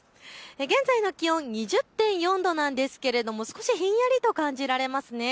現在の気温、２０．４度なんですが少しひんやりと感じられます。